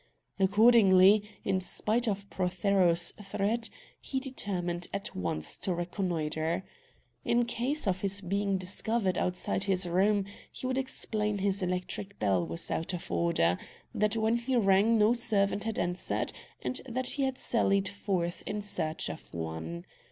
Accordingly, in spite of Prothero's threat, he determined at once to reconnoitre. In case of his being discovered outside his room, he would explain his electric bell was out of order, that when he rang no servant had answered, and that he had sallied forth in search of one.